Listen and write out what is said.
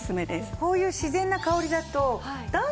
こういう自然な香りだと男性もね。